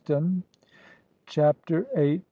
CHAPTER EIGHT.